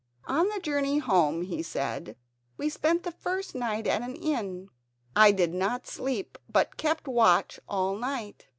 "On our journey home," he said, "we spent the first night at an inn. I did not sleep but kept watch all night."